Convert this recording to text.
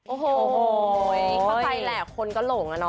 โอ้โหเข้าใจแหละคนก็หลงอะเนาะ